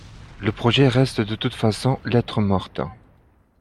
Le projet reste de toute façon lettre morte.